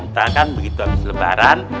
ntar kan begitu abis lebaran